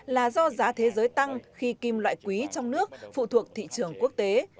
là do giá thế giới tăng khi kim loại quý trong nước phụ thuộc thị trường quốc tế